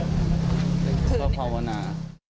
ก็พาวนา